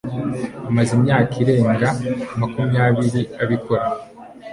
Amaze imyaka irenga makumyabiri abikora.